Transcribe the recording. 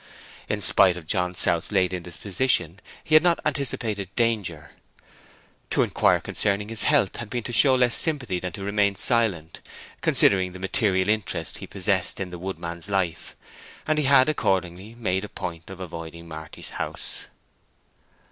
In spite of John South's late indisposition he had not anticipated danger. To inquire concerning his health had been to show less sympathy than to remain silent, considering the material interest he possessed in the woodman's life, and he had, accordingly, made a point of avoiding Marty's house.